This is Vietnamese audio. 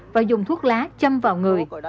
và dùng thuốc lá châm vào người